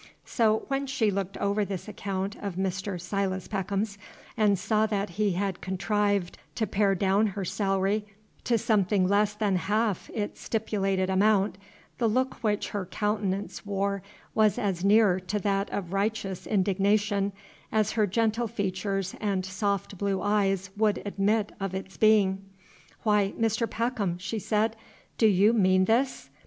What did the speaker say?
So, when she looked over this account of Mr. Silas Peckham's, and saw that he had contrived to pare down her salary to something less than half its stipulated amount, the look which her countenance wore was as near to that of righteous indignation as her gentle features and soft blue eyes would admit of its being. "Why, Mr. Peckham," she said, "do you mean this?